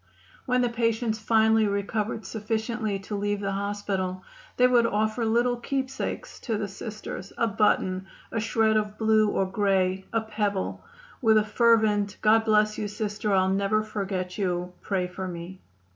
When the patients finally recovered sufficiently to leave the hospital they would offer little keepsakes to the Sisters a button, a shred of blue or gray, a pebble with a fervent "God bless you, Sister. I'll never forget you. Pray for me."